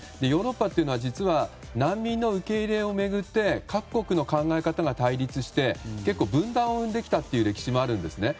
ヨーロッパというのは実は難民の受け入れを巡って各国の考え方が対立して結構、分断を生んできたという歴史もあるんです。